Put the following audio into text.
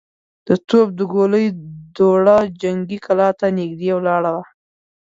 د توپ د ګولۍ دوړه جنګي کلا ته نږدې ولاړه وه.